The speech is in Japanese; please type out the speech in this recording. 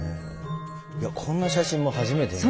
いやこんな写真も初めて見る。